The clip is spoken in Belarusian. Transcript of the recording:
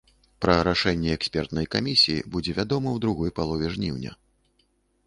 Пра рашэнне экспертнай камісіі будзе вядома ў другой палове жніўня.